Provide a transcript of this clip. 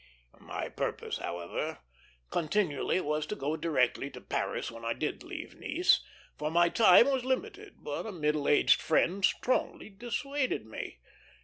My purpose, however, continually was to go directly to Paris when I did leave Nice, for my time was limited; but a middle aged friend strongly dissuaded me.